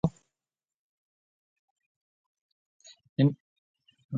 ننيون ٻاݪون نَي روز ميوا ڏَيتا ڪرو۔